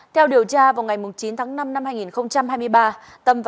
theo điều tra vào ngày chín tháng năm năm hai nghìn hai mươi ba